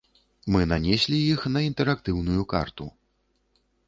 Мы нанеслі іх на інтэрактыўную карту.